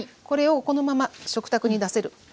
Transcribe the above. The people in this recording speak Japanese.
これをこのまま食卓に出せる。